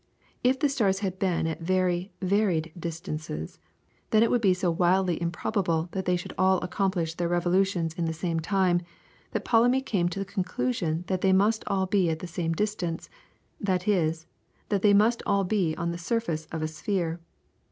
If the stars had been at very varied distances, then it would be so wildly improbable that they should all accomplish their revolutions in the same time, that Ptolemy came to the conclusion that they must be all at the same distance, that is, that they must be all on the surface of a sphere.